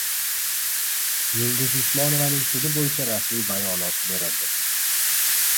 Yulduz Usmonovaning sudi bo‘yicha rasmiy bayonot berildi